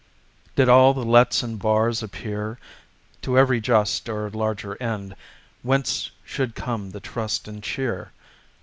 Did all the lets and bars appear To every just or larger end, Whence should come the trust and cheer?